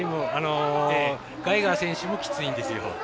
ガイガー選手もきついんですよ。